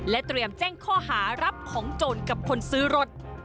เตรียมแจ้งข้อหารับของโจรกับคนซื้อรถ